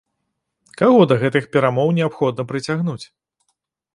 Каго да гэтых перамоў неабходна прыцягнуць?